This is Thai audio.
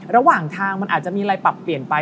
ระหว่างทางมันอาจจะมีอะไรปรับเปลี่ยนไป